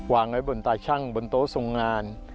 วางไว้บนตาชั่งบนโต๊ะทรงงาน